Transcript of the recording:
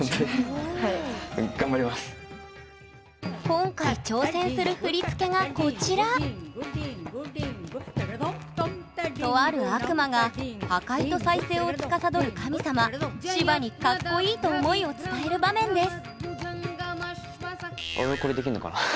今回挑戦する振り付けがこちらとある悪魔が破壊と再生をつかさどる神様シヴァにかっこいいと思いを伝える場面です